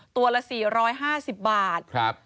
ตัวละ๔๕๐บาท